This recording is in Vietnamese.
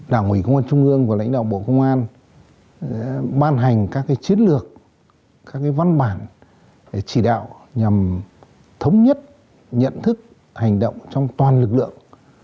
đảng ủy công an trung ương và lãnh đạo bộ công an ban hành các chiến lược các văn bản chỉ đạo nhằm thống nhất nhận thức hành động trong toàn lực lượng